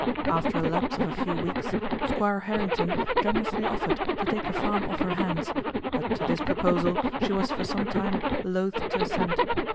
After a lapse of a few weeks Squire Harrington generously offered to take the farm off her hands, but to this proposal she was for some time loath to assent.